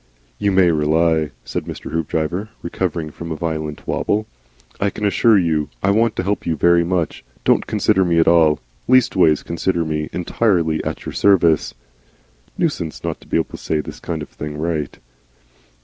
"You may rely " said Mr. Hoopdriver, recovering from a violent wabble. "I can assure you I want to help you very much. Don't consider me at all. Leastways, consider me entirely at your service." (Nuisance not to be able to say this kind of thing right.)